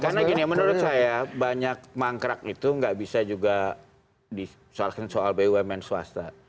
karena gini menurut saya banyak mangkrak itu nggak bisa juga disoalkan soal bumn swasta